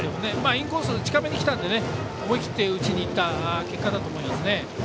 インコース、近めに来たのでね思い切って打ちに行った結果だと思います。